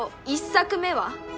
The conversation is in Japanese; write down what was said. １作目は？